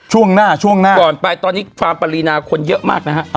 ช่วงหน้าช่วงหน้าก่อนไปตอนนี้ฟาร์มปรินาคนเยอะมากนะฮะ